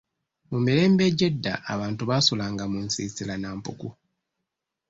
Mu mirembe egy'edda, abantu baasulanga mu nsiisira na mpuku.